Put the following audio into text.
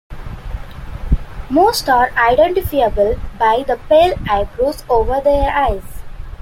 Most are identifiable by the pale "eyebrows" over their eyes.